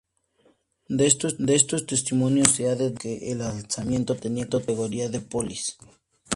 De estos testimonios se ha deducido que el asentamiento tenía categoría de "polis".